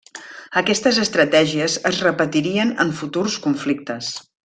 Aquestes estratègies es repetirien en futurs conflictes.